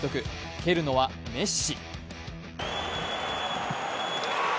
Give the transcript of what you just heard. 蹴るのはメッシ。